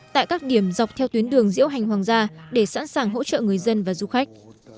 tại các điểm dọc theo tuyến đường diễu hành hoàng gia để sẵn sàng hỗ trợ người dân và du khách